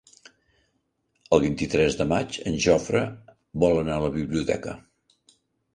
El vint-i-tres de maig en Jofre vol anar a la biblioteca.